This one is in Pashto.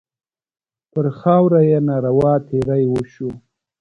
پر خاوره یې ناروا تېری وشو.